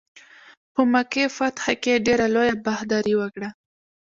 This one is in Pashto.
په مکې فتح کې ډېره لویه بهادري وکړه.